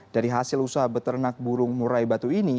dari hasil usaha beternak burung murai batu ini